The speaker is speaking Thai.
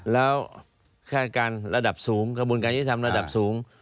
แล้วคาดการณ์ระดับสูงกระบวนการยุทธรรมระดับสูง